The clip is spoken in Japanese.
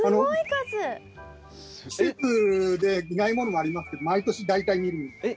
季節でいないものもありますけど毎年大体見るんですけどね。